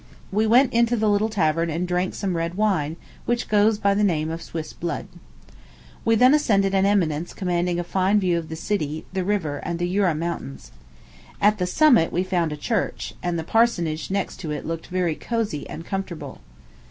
We went into the little tavern and drank some red wine, which goes by the name of Swiss blood. We then ascended an eminence commanding a fine view of the city, the river, and the Jura Mountains. At the summit we found a church; and the parsonage next to it looked very cosy and comfortable.